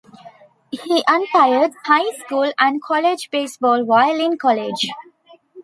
He umpired high school and college baseball while in college.